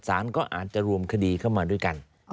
สารก็อาจจะรวมคดีเข้ามาด้วยกัน